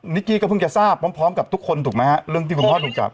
กี้ก็เพิ่งจะทราบพร้อมกับทุกคนถูกไหมฮะเรื่องที่คุณพ่อถูกจับ